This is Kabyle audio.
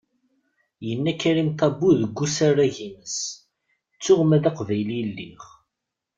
Yenna Karim Tabu deg usarag-is: " ttuɣ ma d aqbayli i lliɣ."